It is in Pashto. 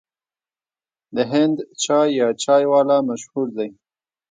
د هند چای یا چای والا مشهور دی.